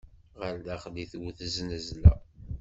Ɣer daxel i tewwet znezla.